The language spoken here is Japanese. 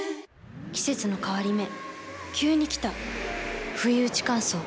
季節の変わり目急に来たふいうち乾燥。